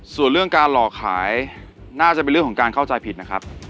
ส่วนเรื่องการหลอกขายน่าจะเป็นเรื่องของการเข้าใจผิดนะครับ